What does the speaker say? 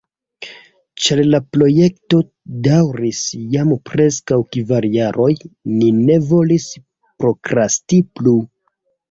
Ĉar la projekto daŭris jam preskaŭ kvar jarojn, ni ne volis prokrasti plu.